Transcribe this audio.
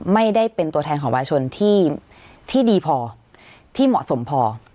ไม่ได้เป็นตัวแทนของวาชนที่ดีพอที่เหมาะสมพอ